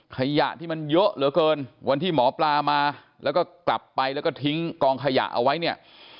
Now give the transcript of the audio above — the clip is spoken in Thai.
ขยะที่มันเยอะเหลือเกินวันที่หมอปลามาแล้วก็กลับไปแล้วก็ทิ้งกองขยะเอาไว้เนี่ย